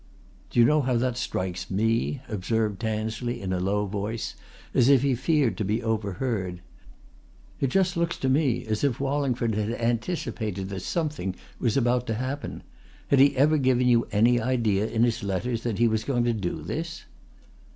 "Do you know how that strikes me?" observed Tansley in a low voice, as if he feared to be overheard. "It just looks to me as if Wallingford had anticipated that something was about to happen. Had he ever given you any idea in his letters that he was going to do this?"